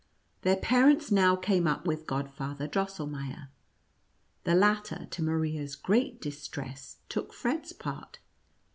Thei: parents now came up with Godfather Drosselmeier. The lat ter, to Maria's great distress, took Fred's part.